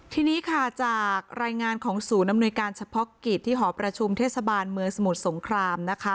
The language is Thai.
ทีนี้ค่ะจากรายงานของศูนย์อำนวยการเฉพาะกิจที่หอประชุมเทศบาลเมืองสมุทรสงครามนะคะ